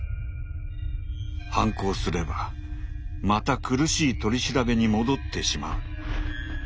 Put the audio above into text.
反抗すればまた苦しい取り調べに戻ってしまう。